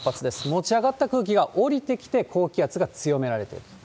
持ち上がった空気が下りてきて、高気圧が強められると。